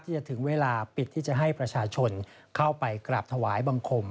ถึงเวลาปิดที่จะให้ประชาชนเข้าไปกราบถวายบังคม